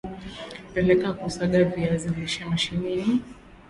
peleka kusaga viazi lishe mashineni